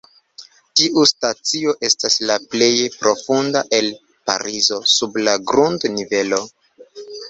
Tiu stacio estas la plej profunda el Parizo: sub la grund-nivelo.